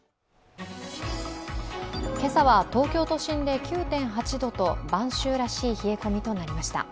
今朝は東京都心で９．８度と晩秋らしい冷え込みとなりました。